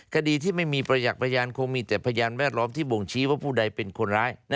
คดีที่ไม่มีประจักษ์พยานคงมีแต่พยานแวดล้อมที่บ่งชี้ว่าผู้ใดเป็นคนร้าย